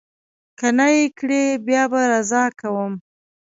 که نه یې کړي، بیا به رضا کوم.